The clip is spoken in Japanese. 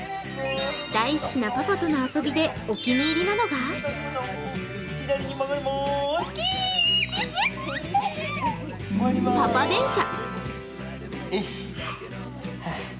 大好きなパパとの遊びでお気に入りなのがパパ電車。